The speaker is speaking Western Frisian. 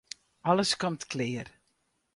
Alles komt klear.